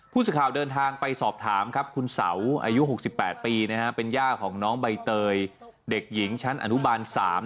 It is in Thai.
ผู้สื่อข่าวเดินทางไปสอบถามครับคุณเสาอายุ๖๘ปีเป็นย่าของน้องใบเตยเด็กหญิงชั้นอนุบาล๓